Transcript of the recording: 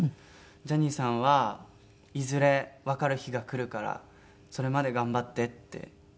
ジャニーさんは「いずれわかる日が来るからそれまで頑張って」って言ってくれてて。